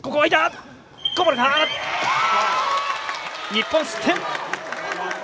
日本、失点！